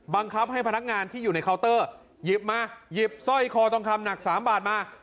บังคับให้พนักงานที่อยู่ในเคาน์เตอร์หยิบมาหยิบสร้อยคอทองคำหนัก๓บาทมา